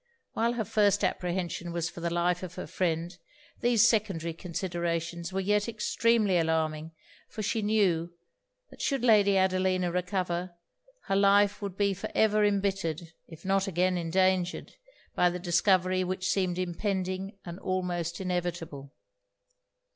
While her first apprehension was for the life of her friend, these secondary considerations were yet extremely alarming for she knew, that should Lady Adelina recover, her life would be for ever embittered, if not again endangered, by the discovery which seemed impending and almost inevitable.